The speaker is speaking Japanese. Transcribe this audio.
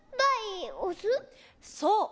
そう。